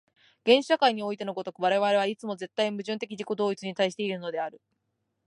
原始社会においての如く、我々はいつも絶対矛盾的自己同一に対しているのである。